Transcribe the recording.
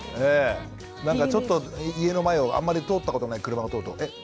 なんかちょっと家の前をあんまり通ったことない車が通るとえっ